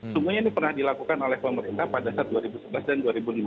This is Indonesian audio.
sebenarnya ini pernah dilakukan oleh pemerintah pada saat dua ribu sebelas dan dua ribu lima belas